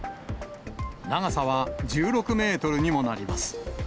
長さは１６メートルにもなります。